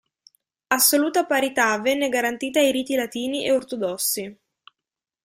Assoluta parità venne garantita ai riti latini e ortodossi.